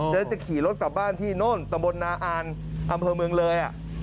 แล้วจะขี่รถกลับบ้านที่โน่นตะบลนาอ่านอำเภอเมืองเลย